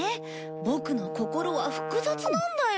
ボクの心は複雑なんだよ。